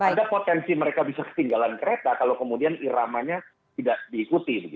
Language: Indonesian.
ada potensi mereka bisa ketinggalan kereta kalau kemudian iramanya tidak diikuti